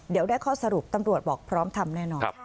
เดี๋ยวได้ข้อสรุปตำรวจบอกพร้อมทำแน่นอน